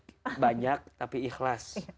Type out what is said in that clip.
lebih banyak tapi ikhlas